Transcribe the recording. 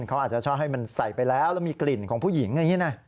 เขาอาจจะชอบให้มันใส่ไปแล้วแล้วมีกลิ่นของผู้หญิงอย่างนี้นะ